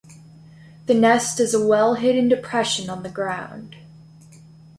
The nest is a well-hidden depression on the ground.